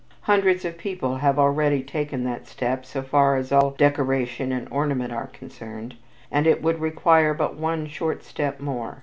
Hundreds of people have already taken that step so far as all decoration and ornament are concerned, and it would require but one short step more.